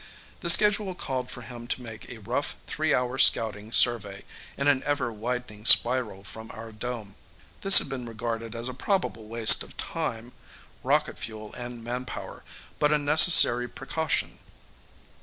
The schedule called for him to make a rough three hour scouting survey in an ever widening spiral from our dome. This had been regarded as a probable waste of time, rocket fuel and manpower but a necessary precaution.